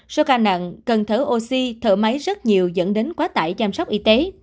số ca nặng cần thở oxy thở máy rất nhiều dẫn đến quá tải chăm sóc y tế